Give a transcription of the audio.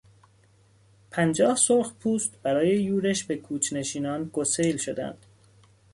پنجاه سرخپوست برای یورش به کوچ نشینان گسیل شدند.